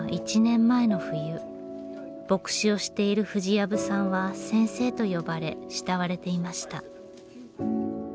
牧師をしている藤藪さんは先生と呼ばれ慕われていました。